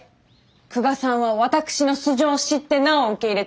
久我さんは私の素性を知ってなお受け入れてくれました。